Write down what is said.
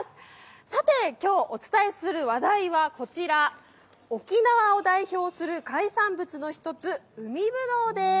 さて今日、お伝えする話題はこちら、沖縄を代表する海産物の一つ、海ぶどうです。